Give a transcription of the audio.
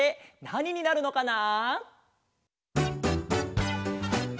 なにになるのかな？